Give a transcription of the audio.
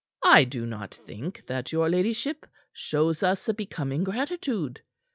I do not think that your ladyship shows us a becoming gratitude.